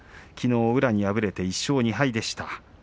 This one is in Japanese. きのう宇良に敗れて１勝２敗でした。